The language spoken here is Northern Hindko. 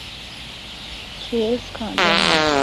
کھیل سکھاندے ہن۔